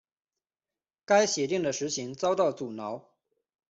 该协定的实行遭到阻挠。